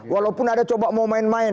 walaupun ada coba mau main main